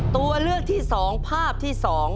ตัวเลือกที่๒ภาพที่๒